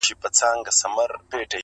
هم یې خزان هم یې بهار ښکلی دی-